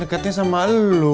ya kan deketnya sama elu